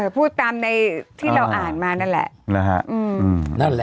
แพงแสลศาสตร์